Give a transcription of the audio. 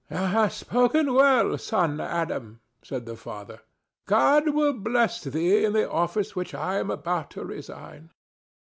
"Thou hast spoken well, son Adam," said the father. "God will bless thee in the office which I am about to resign."